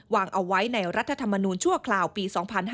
วางเอาไว้ในรัฐธรรมนูญชั่วคราวปี๒๕๕๙